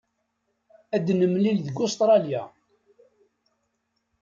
Ad nemlil deg Ustṛalya.